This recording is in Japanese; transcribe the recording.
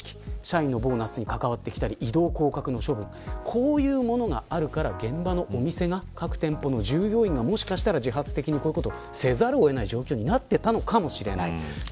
こういうものがあるから現場のお店が各店舗の従業員が自発的にこういうことをせざるを得ない状況になっていたかもしれません。